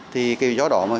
thì cái rủi ro đó